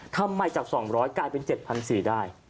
ทำไมจาก๒๐๐กลายเป็น๗๔๐๐ได้